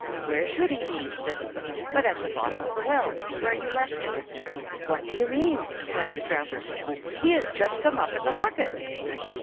"Where should he be," said the cook, "but at the bottom of the well, where you left him?" "What do you mean?" exclaimed the traveller. "He has just come up in the bucket!"